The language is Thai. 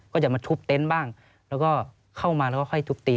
ก็จะมาทุบเต็นต์บ้างแล้วก็เข้ามาแล้วก็ค่อยทุบตี